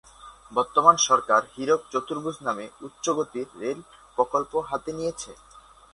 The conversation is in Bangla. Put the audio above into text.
বর্তমান সরকার হীরক চতুর্ভুজ নামে উচ্চগতির রেল প্রকল্প হাতে নিয়েছে।